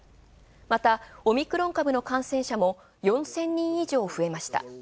またオミクロン株の感染者も４０００人以上増えました。